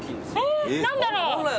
え何だろう。